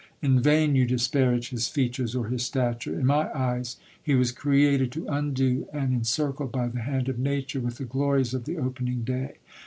In vain you disparage his features or his stature ; in my eyes he was created to undo, and encircled by the hand of nature with the glories of the opening day.